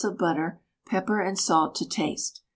of butter, pepper and salt to taste.